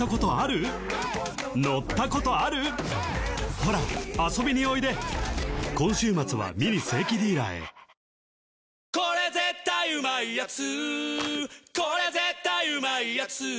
俺「日清これ絶対うまいやつ」